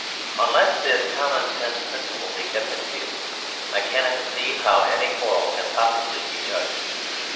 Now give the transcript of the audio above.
Unless this common sense principle be kept in view, I cannot conceive how any quarrel can possibly be judged.